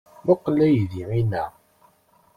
Mmuqqel aydi-inna.